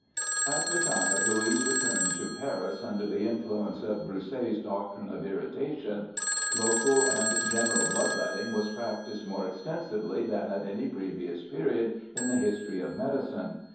At the time of Louis' return to Paris, under the influ ence of Broussais' doctrine of irritation, local and general blood letting was practised more extensively than at any previous period in the history of medicine.